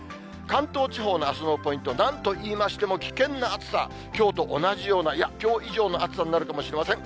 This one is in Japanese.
関東地方のあすのポイント、なんといいましても、危険な暑さ、きょうと同じような、いや、きょう以上の暑さになるかもしれません。